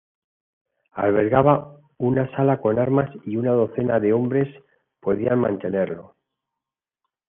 Albergaba una sala con armas y una docena de hombres podían mantenerlo.